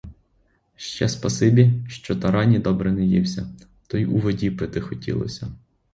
Ще спасибі, що тарані добре наївся, то й у воді пити хотілося.